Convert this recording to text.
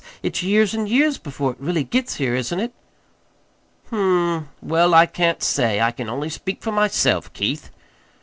It's years and years before it really gets here, isn't it?" "Hm m; well, I can't say. I can only speak for myself, Keith."